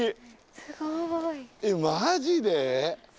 すごい。えっマジで？